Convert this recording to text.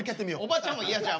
おばちゃんも嫌じゃ。